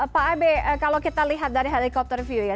pak abe kalau kita lihat dari helikopter view ya